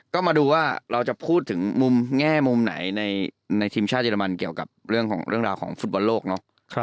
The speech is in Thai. ก็มาดูว่าเราจะพูดถึงมุมแง่มุมไหนในทีมชาติเรมันเกี่ยวกับเรื่องของเรื่องราวของฟุตบอลโลกเนอะ